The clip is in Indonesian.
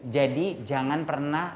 jadi jangan pernah